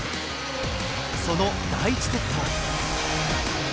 その第１セット。